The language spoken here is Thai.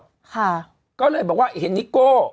ค่ะก็เลยบอกว่าเห็นนิโก้